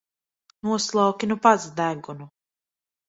Noslauki nu pats degunu!